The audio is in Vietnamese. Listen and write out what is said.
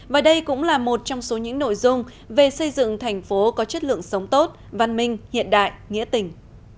và đây cũng là một trong số những nội dung về xây dựng thành phố có chất lượng sống tốt văn minh hiện đại nghĩa tình